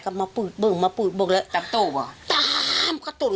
ก็มาพูดเบิ้งมาพูดเบิ้งแล้วตามโตบอกตามกระตุ้น